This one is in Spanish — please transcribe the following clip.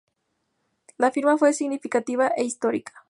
La firma fue significativa e histórica.